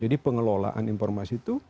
jadi pengelolaan informasi itu